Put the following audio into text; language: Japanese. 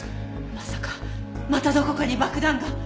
まさかまたどこかに爆弾が！